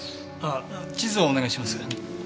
あ地図をお願いします。